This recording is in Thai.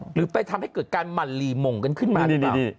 หรือไปทำให้เกิดการมันลีมงกันขึ้นมาหรือเปล่า